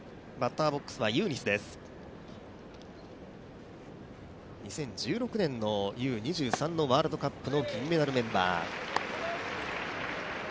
ユーニスは、２０１６年のＵ２３のワールドカップの銀メダルメンバー。